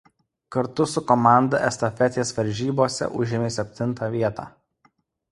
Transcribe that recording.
Kartu su komanda estafetės varžybose užėmė septintą vietą.